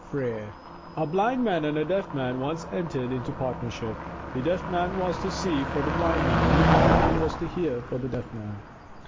FRERE A Blind Man and a Deaf Man once entered into partnership. The Deaf Man was to see for the Blind Man, and the Blind Man was to hear for the Deaf Man.